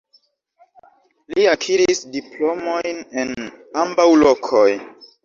Li akiris diplomojn en ambaŭ lokoj.